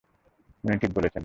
উনি ঠিকই বলেছেন।